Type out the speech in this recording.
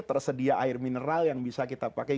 tersedia air mineral yang bisa kita pakai